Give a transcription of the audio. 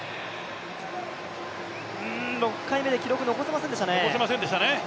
６回目で記録残せませんでしたね。